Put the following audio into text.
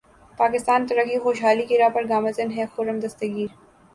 پاکستان ترقی خوشحالی کی راہ پر گامزن ہے خرم دستگیر